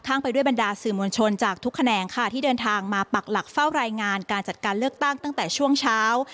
ไปด้วยบรรดาสื่อมวลชนจากทุกแขนงค่ะที่เดินทางมาปักหลักเฝ้ารายงานการจัดการเลือกตั้งตั้งแต่ช่วงเช้า